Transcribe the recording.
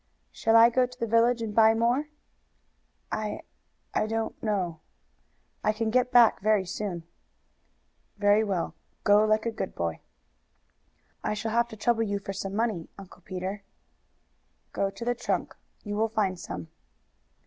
"Shall I go to the village and buy more?" "I I don't know " "I can get back very soon." "Very well; go, like a good boy." "I shall have to trouble you for some money, Uncle Peter." "Go to the trunk. You will find some."